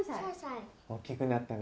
大きくなったね。